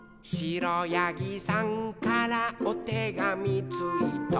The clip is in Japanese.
「くろやぎさんからおてがみついた」